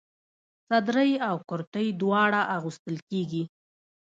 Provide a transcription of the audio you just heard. صدرۍ او کرتۍ دواړه اغوستل کيږي.